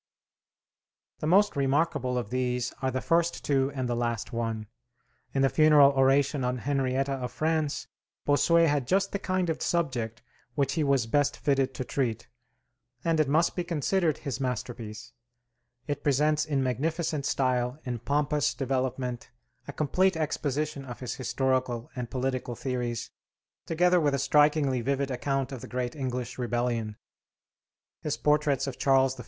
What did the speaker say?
The most remarkable of these are the first two and the last one. In the funeral oration on Henrietta of France, Bossuet had just the kind of subject which he was best fitted to treat, and it must be considered his masterpiece. It presents in magnificent style, in pompous development, a complete exposition of his historical and political theories, together with a strikingly vivid account of the great English rebellion. His portraits of Charles I.